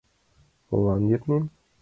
Молан йырнем?